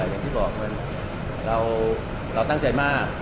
อย่างที่บอกเราตั้งใจมาก